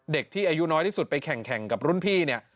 เด็กที่อายุน้อยที่สุดไปแข่งกับรุ่นพี่เนี่ย